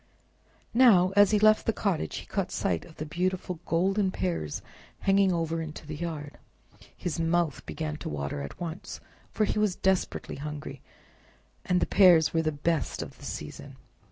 Now, as he left the cottage, he caught sight of the beautiful golden pears hanging over into the yard. His mouth began to water at once, for he was desperately hungry, and the pears were the best of the season.